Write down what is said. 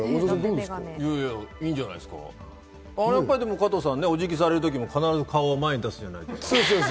加藤さん、お辞儀される時も顔を前に出すじゃないですか。